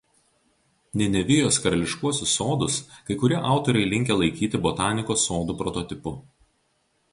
Ninevijos karališkuosius sodus kai kurie autoriai linkę laikyti botanikos sodų prototipu.